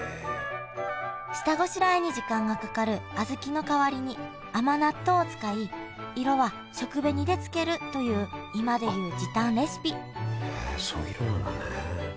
下ごしらえに時間がかかる小豆の代わりに甘納豆を使い色は食紅でつけるという今でいう時短レシピへえそういう色なんだね。